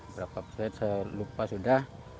berapa pesawat saya lupa sudah